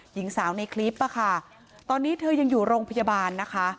หญิงสาวในคลิปอะค่ะตอนนี้เธอยังอยู่โรงพยาบาลนะคะ